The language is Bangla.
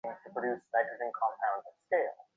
তখন নিজের দোষ স্বীকার করিবে?